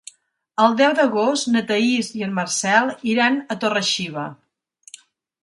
El deu d'agost na Thaís i en Marcel iran a Torre-xiva.